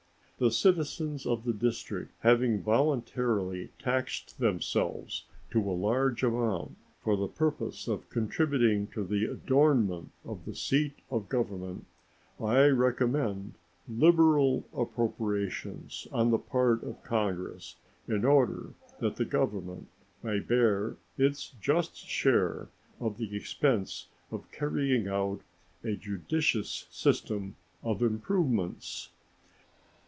The citizens of the District having voluntarily taxed themselves to a large amount for the purpose of contributing to the adornment of the seat of Government, I recommend liberal appropriations on the part of Congress, in order that the Government may bear its just share of the expense of carrying out a judicious system of improvements.